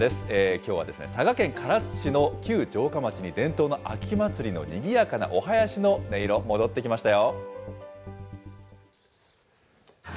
きょうは佐賀県唐津市の旧城下町に伝統の秋祭りのにぎやかなお囃子の音色、戻ってきましたよ。